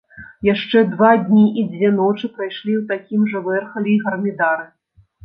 Яшчэ два дні і дзве ночы прайшлі ў такім жа вэрхале і гармідары.